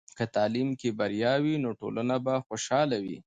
که تعلیم کې بریا وي، نو ټولنه به خوشحاله وي.